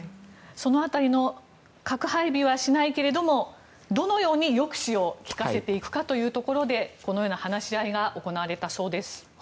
その辺りの核配備はしないけれどもどのように抑止をきかせていくかということでこのような話し合いが行われたそうです。